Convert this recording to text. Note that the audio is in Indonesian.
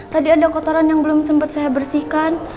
tadi ada kotoran yang belum sempat saya bersihkan